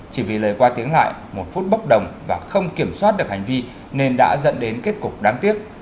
chỉ vì lời qua tiếng lại một phút bốc đồng và không kiểm soát được hành vi nên đã dẫn đến kết cục đáng tiếc